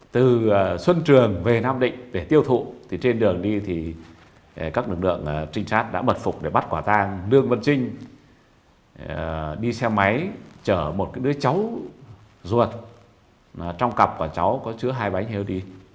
từ xuân trường về nam định để tiêu thụ thì trên đường đi thì các lực lượng trinh sát đã mật phục để bắt quả tang lương văn trinh đi xe máy chở một đứa cháu ruột trong cặp của cháu có chứa hai bánh heo đi